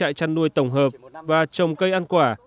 đang chạy chăn nuôi tổng hợp và trồng cây ăn quả